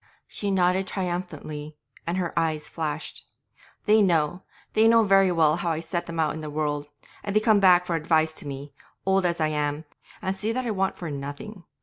She nodded again triumphantly, and her eyes flashed. 'They know, they know very well how I set them out in the world. And they come back for advice to me, old as I am, and see that I want for nothing.